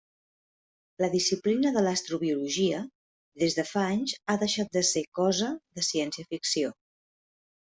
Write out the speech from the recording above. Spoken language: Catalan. La disciplina de l'astrobiologia des de fa anys ha deixat de ser cosa de ciència-ficció.